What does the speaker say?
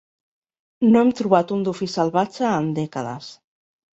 No hem trobat un dofí salvatge en dècades.